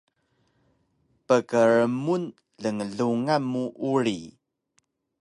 Pkrmun lnglungan mu uri